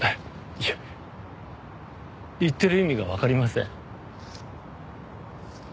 いや言ってる意味がわかりません。